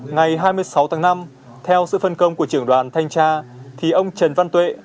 ngày hai mươi sáu tháng năm theo sự phân công của trưởng đoàn thanh tra thì ông trần văn tuệ